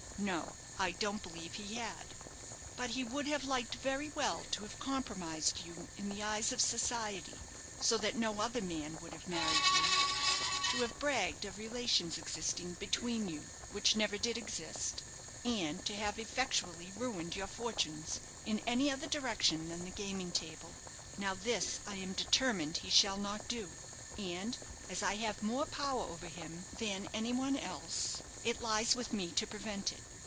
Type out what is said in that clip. "No, I don't believe he had; but he would have liked very well to have compromised you in the eyes of society, so that no other man would have married you, to have bragged of relations existing between you which never did exist, and to have effectually ruined your fortunes in any other direction than the gaming table. Now this I am determined he shall not do, and as I have more power over him than any one else, it lies with me to prevent it.